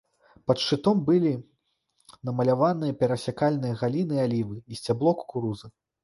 Пад шчытом былі намаляваныя перасякальныя галіны алівы і сцябло кукурузы.